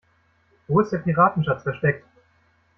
Wo ist der Piratenschatz versteckt?